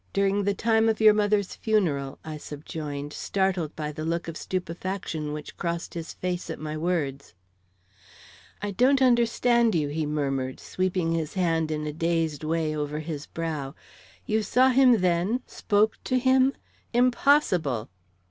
"During the time of your mother's funeral," I subjoined, startled by the look of stupefaction which crossed his face at my words. "I don't understand you," he murmured, sweeping his hand in a dazed way over his brow. "You saw him then? Spoke to him? Impossible!"